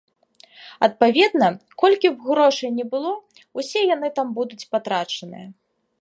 Адпаведна, колькі б грошай ні было, усе яны там будуць патрачаныя.